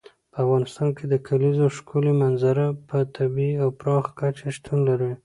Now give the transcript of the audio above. په افغانستان کې د کلیزو ښکلې منظره په طبیعي او پراخه کچه شتون لري.